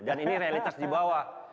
dan ini realitas di bawah